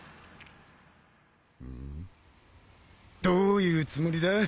どういうつもりだ？